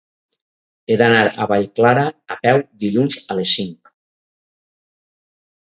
He d'anar a Vallclara a peu dilluns a les cinc.